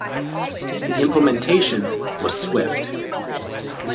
The implementation was swift.